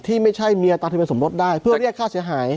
ที่ไม่ใช่เมียตาทะเบียสมรสได้เพื่อเรียกค่าเสียหาย